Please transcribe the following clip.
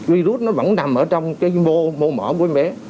virus nó vẫn nằm ở trong cái mô mỡ của em bé